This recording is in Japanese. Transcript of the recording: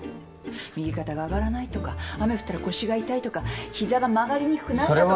右肩が上がらないとか雨降ったら腰が痛いとか膝が曲がりにくくなったとか。